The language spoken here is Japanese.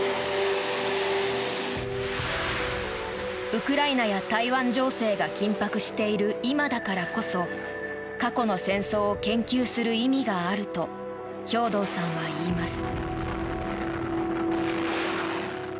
ウクライナや台湾情勢が緊迫している今だからこそ過去の戦争を研究する意味があると兵頭さんは言います。